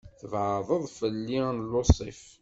"Tbeεdeḍ fell-i" n Lusif.